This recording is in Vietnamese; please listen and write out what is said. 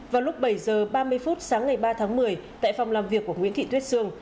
vào lúc bảy h ba mươi phút sáng ngày ba tháng một mươi tại phòng làm việc của nguyễn thị tuyết sương